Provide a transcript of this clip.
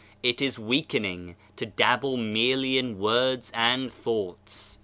It is weaken ing to dabble merely in words and thoughts.